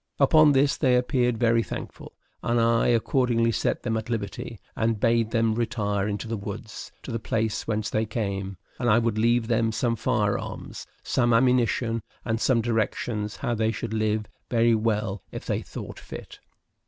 Upon this they appeared very thankful, and I accordingly set them at liberty, and bade them retire into the woods, to the place whence they came, and I would leave them some fire arms, some ammunition, and some directions how they should live very well if they thought fit.